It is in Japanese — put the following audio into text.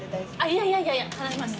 いやいやいやいや払います。